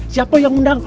siapa yang undang